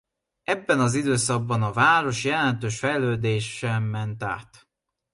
Ebben az időszakban a város jelentős fejlődésen ment át.